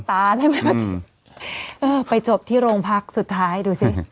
ใช่ไหมเออไปจบที่โรงพักสุดท้ายดูสิ